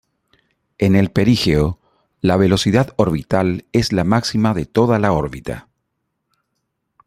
En el perigeo la velocidad orbital es la máxima de toda la órbita.